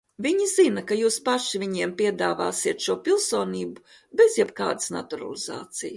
Viņi zina, ka jūs paši viņiem piedāvāsiet šo pilsonību bez jebkādas naturalizācijas.